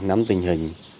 nắm tình hình